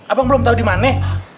abang belum tau dimana